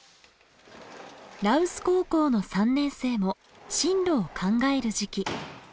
羅臼高校の３年生も進路を考える時期。